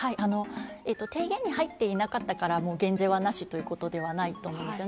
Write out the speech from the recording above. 提言に入っていなかったから、もう減税はないということではないと思います。